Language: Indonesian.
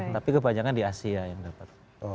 tapi kebanyakan di asia yang dapat